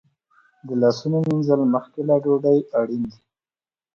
د لاسونو مینځل مخکې له ډوډۍ اړین دي.